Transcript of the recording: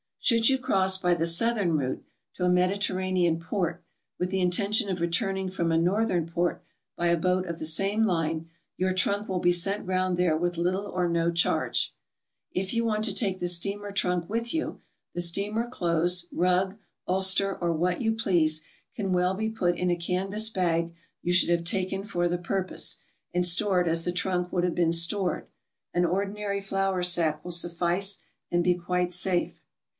Should you cross by the southern route, to a Mediter ranean port, with the intention of returning from a northern port by a boat of the same line, your trunk will be sent round there with little or no charge. If you want to take the steamer trunk with you, the steamer clothes, rug, ulster, or what you please, can well be put in a canvas bag you should have taken for the purpose, and stored as the trunk would have been stored. An ordinary flour sack will sufflee and be quite safe.